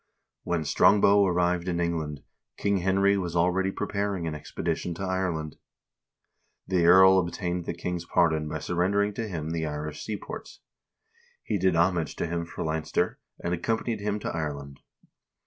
1 When Strongbow arrived in England, King Henry was already preparing an expedition to Ireland. The earl obtained the king's pardon by surrendering to him the Irish seaports; he did homage to him for Leinster, and accompanied him to Ireland.